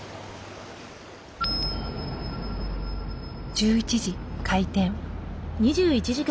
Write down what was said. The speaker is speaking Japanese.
１１時開店。